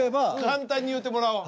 簡単に言ってもらおう。